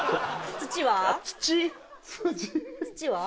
土は？